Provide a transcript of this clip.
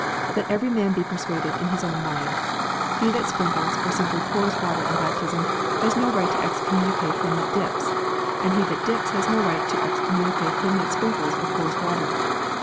Let every man be persuaded in his own mind. He that sprinkles or simply pours water in baptism has no right to excommunicate him that dips ; and he that dips has no right to excommunicate him that sprinkles or pours water.